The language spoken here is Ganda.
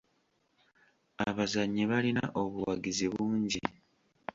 Abazannyi balina obuwagizi bungi.